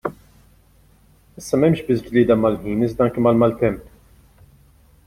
Issa m'hemmx biss glieda mal-ħin iżda anke mal-maltemp.